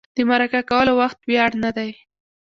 د مرکه کولو وخت وړیا نه دی.